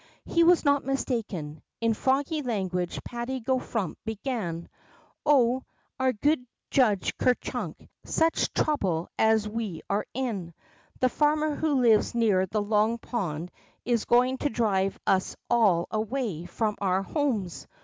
He was not mistaken. In froggie language Patty go Frump began :. Oh, our good Judge Ker Chunk, such trouble as we are in ! The farmer who lives near the Long Pond is going to drive us all away from our homes.